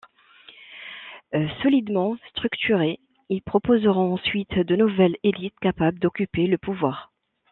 Solidement structurés, ils proposeront ensuite de nouvelles élites capables d’occuper le pouvoir.